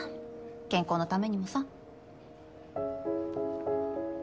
健康のためにもさ。